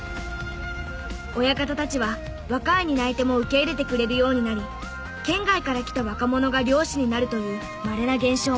親方たちは若い担い手も受け入れてくれるようになり県外から来た若者が漁師になるというまれな現象も。